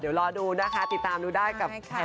เดี๋ยวรอดูกันด้วยที่ไทราทิวี